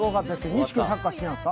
西君、サッカー好きなんですか？